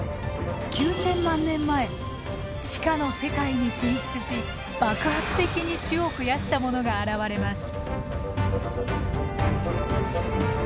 ９，０００万年前地下の世界に進出し爆発的に種を増やしたものが現れます。